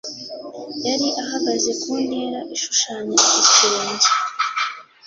yari ahagaze ku ntera ishushanya igisenge